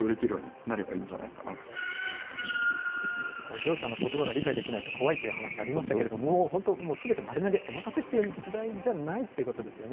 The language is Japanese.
業者のことばが理解できないと怖いって話ありましたけれども、本当、すべて丸投げ、お任せという時代じゃないということですよね。